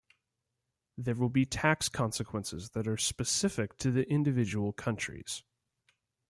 There will be tax consequences that are specific to individual countries.